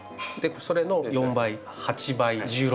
それの４倍８倍１６倍。